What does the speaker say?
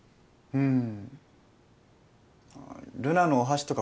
うん。